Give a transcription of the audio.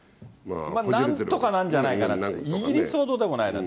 なんとかなるんじゃないかと、イギリスほどでもないなと。